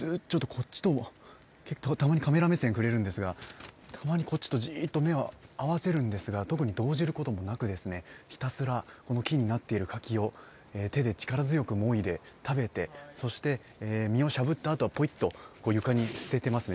時々カメラ目線くれるんですが、目をこちらと合わせるんですが特に動じることもなく、ひたすら木になっている柿を手で力強くもいで、そして実をしゃぶったあとはぽいっと床に捨てていますね。